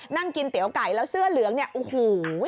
นั่งกินเตี๋ยวไก่แล้วเสื้อเหลืองเนี่ยโอ้โห